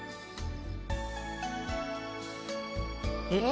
えっ？